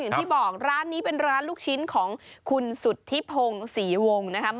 อย่างที่บอกร้านนี้เป็นร้านลูกชิ้นของคุณสุธิพงศรีวงศ์นะครับ